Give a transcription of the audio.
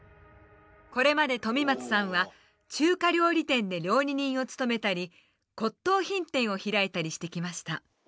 これまで富松さんは中華料理店で料理人を務めたり骨董品店を開いたりしてきました。